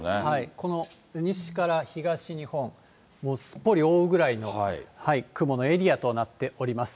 この西から東日本、すっぽり覆うぐらいの雲のエリアとなっております。